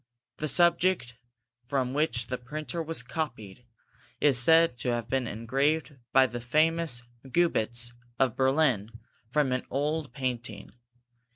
The subject from which the picture was copied, is said to have been engraved by the famous Gubitz of Berlin, from an old German painting.